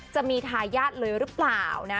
จะมีทายาทเลยหรือเปล่านะ